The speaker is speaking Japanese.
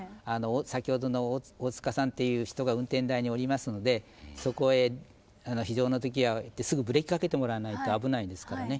先ほどの大塚さんっていう人が運転台におりますのでそこへ非常の時はすぐブレーキかけてもらわないと危ないですからね。